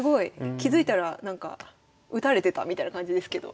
気付いたらなんか打たれてたみたいな感じですけど。